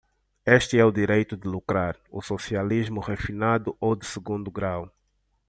Este é o direito de lucrar, o socialismo refinado ou de segundo grau.